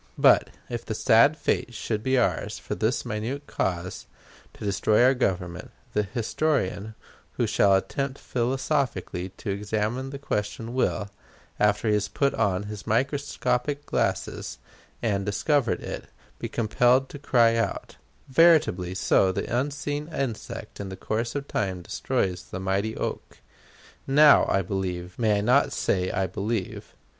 But, if the sad fate should be ours, for this most minute cause, to destroy our Government, the historian who shall attempt philosophically to examine the question will, after he has put on his microscopic glasses and discovered it, be compelled to cry out, "Veritably so the unseen insect in the course of time destroys the mighty oak!" Now, I believe may I not say I believe?